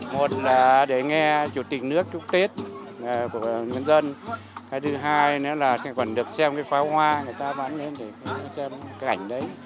một là để nghe chủ tịch nước chúc tết của nhân dân hai thứ hai là sẽ còn được xem cái pháo hoa người ta bán lên để xem cảnh đấy